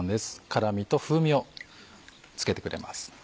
辛みと風味をつけてくれます。